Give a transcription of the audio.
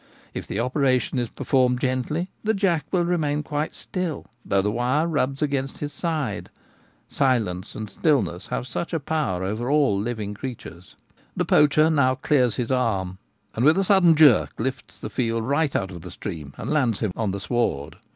If the operation is performed gently the jack will remain quite still, though the wire rubs against his side : silence and stillness have such a power over all living creatures. The poacher now clears his arm and, with a sudden jerk, lifts the fish right out of the stream and lands him on the sward.